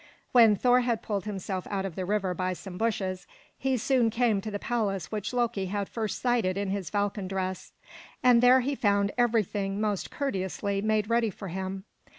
When Thor had pulled himself out of the river by some bushes, he soon came to the palace which Loki had first sighted in his falcon dress. And there he found everything most courteously made ready for him.